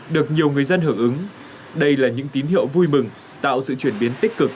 được nhiều người dân hưởng ứng đây là những tín hiệu vui mừng tạo sự chuyển biến tích cực